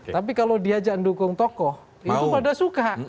tapi kalau diajarkan dukung tokoh itu pada suka